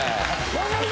分かるか！